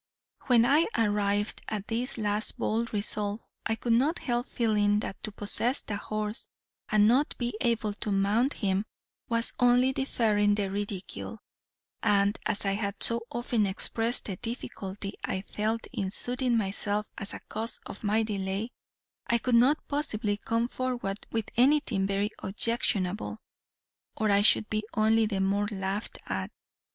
"When I arrived at this last bold resolve, I could not help feeling that to possess a horse, and not be able to mount him, was only deferring the ridicule; and as I had so often expressed the difficulty I felt in suiting myself as a cause of my delay, I could not possibly come forward with anything very objectionable, or I should be only the more laughed at.